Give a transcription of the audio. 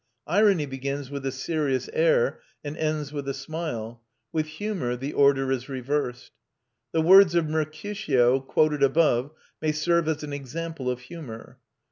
Irony begins with a serious air and ends with a smile; with humour the order is reversed. The words of Mercutio quoted above may serve as an example of humour.